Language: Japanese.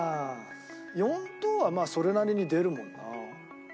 ４等はまあそれなりに出るもんな。